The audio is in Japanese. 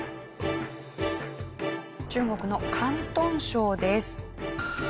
中国の広東省です。